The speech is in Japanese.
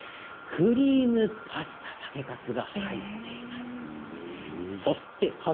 クリームパスタ酒かすが入っています。